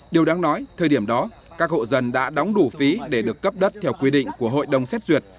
điều đáng nói thời điểm đó các hộ dân đã đóng đủ phí để được cấp đất theo quy định của hội đồng xét duyệt